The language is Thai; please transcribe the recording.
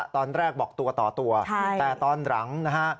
ตอนแรกบอกตัวต่อตัวแต่ตอนหลังนะฮะ